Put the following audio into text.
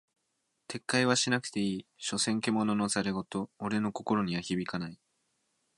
撤回はしなくていい、所詮獣の戯言俺の心には響かない。